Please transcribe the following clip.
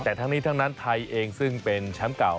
แต่ทั้งนี้ทั้งนั้นไทยเองซึ่งเป็นแชมป์เก่า